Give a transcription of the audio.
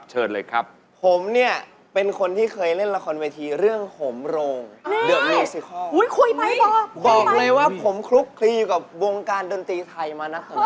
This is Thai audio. เฮ้ยไม่ใช่แบบนั้นนะครับนะครับนะครับนะครับ